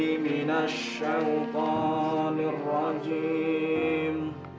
ibn al shantanir rajim